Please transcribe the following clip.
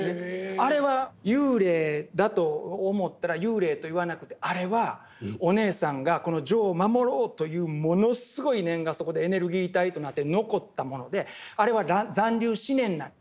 あれは幽霊だと思ったら幽霊と言わなくてあれはお姉さんがこの丈を守ろうというものすごい念がそこでエネルギー体となって残ったものであれは残留思念なんだ。